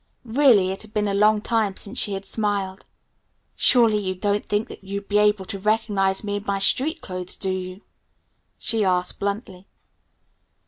Really it had been a long time since she had smiled. "Surely you don't think that you'd be able to recognize me in my street clothes, do you?" she asked bluntly.